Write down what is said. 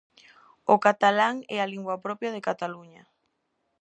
O catalán é a lingua propia de Cataluña.